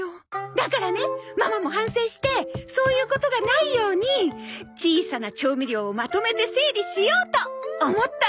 だからねママも反省してそういうことがないように小さな調味料をまとめて整理しようと思ったわけなのよ！